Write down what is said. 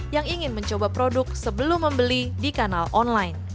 yang ingin mencoba produk sebelum membeli di kanal online